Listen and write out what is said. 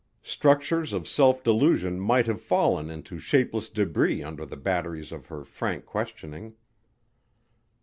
Structures of self delusion might have fallen into shapeless débris under the batteries of her frank questioning.